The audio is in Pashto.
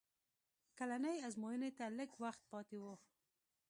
کلنۍ ازموینې ته لږ وخت پاتې و